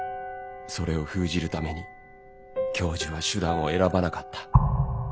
それを封じるために教授は手段を選ばなかった。